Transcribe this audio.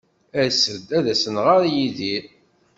As-d ad as-nɣer i Yidir.